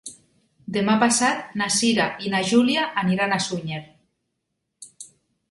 Demà passat na Cira i na Júlia aniran a Sunyer.